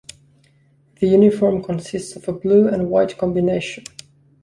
The uniform consists of a blue and white combination.